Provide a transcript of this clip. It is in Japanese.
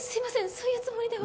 そういうつもりでは。